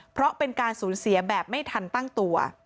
เพราะเป็นการสูญเสียแบบไม่ทันตั้งตัว